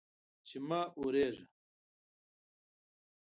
چې مه اوریږه